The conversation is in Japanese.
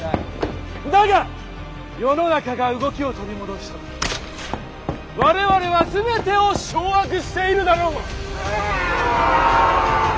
だが世の中が動きを取り戻した時我々は全てを掌握しているだろう！